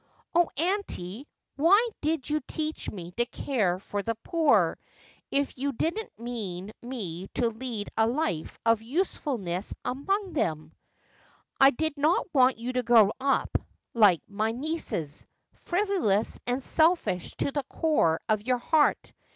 ' Oh, auntie, why did you. teach me to care for the poor, if you didn't mean me to lead a life of usefulness among them }'' I did not want you to grow up like my nieces, frivolous and selfish to the core of your heart.